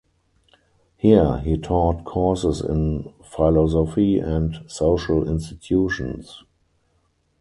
Here he taught courses in Philosophy and Social Institutions.